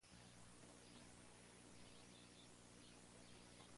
Fue enterrado en Kerbala, en el actual Iraq.